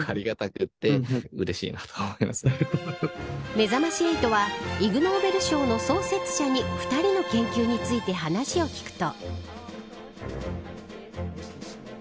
めざまし８はイグ・ノーベル賞の創設者に２人の研究について話を聞くと。